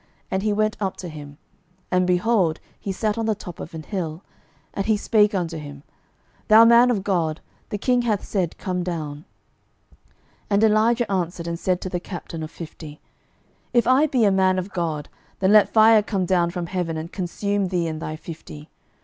And he went up to him: and, behold, he sat on the top of an hill. And he spake unto him, Thou man of God, the king hath said, Come down. 12:001:010 And Elijah answered and said to the captain of fifty, If I be a man of God, then let fire come down from heaven, and consume thee and thy fifty.